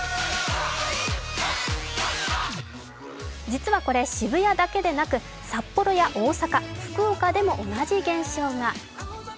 実はこれ、渋谷だけでなく札幌や大阪、福岡でも同じ現象が。